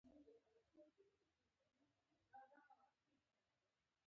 هغه د راتلونکي لپاره فکر کاوه.